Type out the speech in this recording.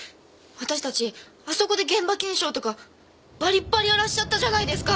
私たちあそこで現場検証とかバリバリ荒らしちゃったじゃないですか！